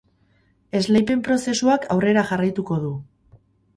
Esleipen prozesuak aurrera jarraituko du.